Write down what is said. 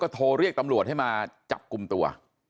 โทรเรียกตำรวจให้มาจับกลุ่มตัว